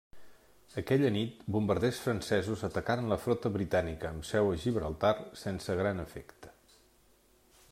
Aquella nit, bombarders francesos atacaren la flota britànica amb seu a Gibraltar sense gran efecte.